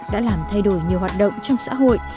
đã làm thay đổi nhiều hoạt động trong xã hội